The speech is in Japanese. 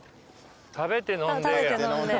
食べて飲んで。